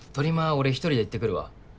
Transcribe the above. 俺１人で行ってくるわ。